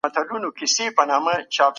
د کوچني دپاره په کڅوڼي کي نوي قلمونه لرم.